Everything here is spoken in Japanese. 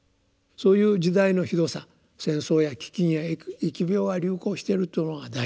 そういう時代のひどさ戦争や飢饉や疫病が流行してるっていうのが第一。